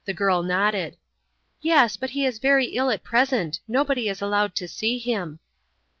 The girl nodded. "Yes. But he is very ill at present. Nobody is allowed to see him."